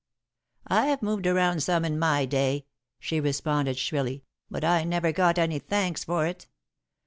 "I've moved around some in my day," she responded, shrilly, "but I never got any thanks for it.